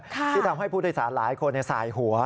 ที่ทำให้ผู้โดยสารหลายคนสายหัว